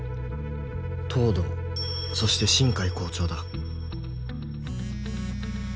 東堂そして新偕校長だ